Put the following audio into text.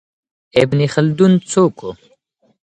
ابن خلدون څوک و؟